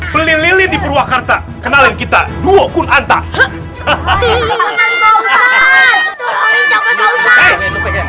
beli lili di purwakarta kenalin kita duo kunanta hahaha